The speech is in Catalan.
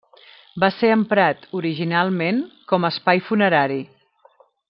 Va ser emprat, originalment, com a espai funerari.